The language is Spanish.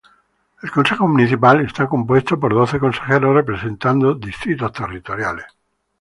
El consejo municipal está compuesto por doce consejeros representando distritos territoriales.